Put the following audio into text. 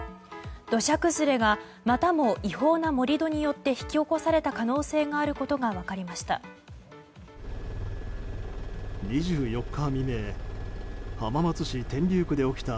土砂崩れがまたも違法な盛り土によって引き起こされた可能性があることが分かりました。